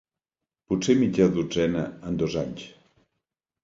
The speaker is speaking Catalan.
Potser mitja dotzena en dos anys.